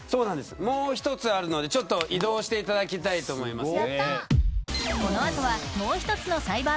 もう一つあるので移動していただきたいと思います。